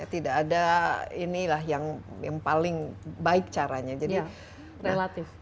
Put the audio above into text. tidak ada yang paling baik caranya